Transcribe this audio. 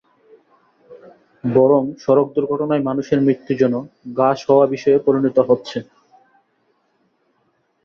বরং সড়ক দুর্ঘটনায় মানুষের মৃত্যু যেন গা সওয়া বিষয়ে পরিণত হচ্ছে।